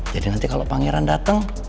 jadi nanti kalo pangeran dateng